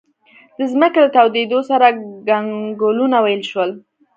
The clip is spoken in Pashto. د ځمکې له تودېدو سره کنګلونه ویلې شول.